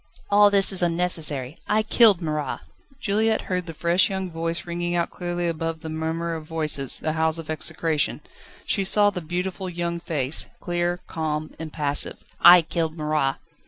"All this is unnecessary. I killed Marat!" Juliette heard the fresh young voice ringing out clearly above the murmur of voices, the howls of execration; she saw the beautiful young face, clear, calm, impassive. "I killed Marat!"